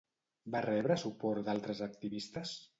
Va rebre suport d'altres activistes?